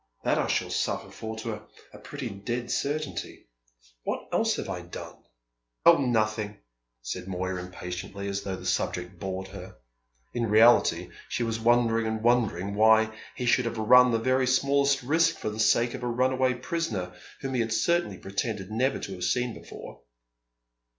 That I shall suffer for, to a pretty dead certainty. What else have I done?" "Oh, nothing," said Moya impatiently, as though the subject bored her. In reality she was wondering and wondering why he should have run the very smallest risk for the sake of a runaway prisoner whom he had certainly pretended never to have seen before.